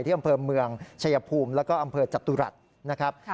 อำเภอเมืองชายภูมิแล้วก็อำเภอจตุรัสนะครับ